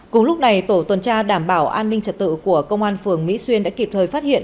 cùng lúc này tổ tuần tra đảm bảo an ninh trật tự của công an phường mỹ xuyên đã kịp thời phát hiện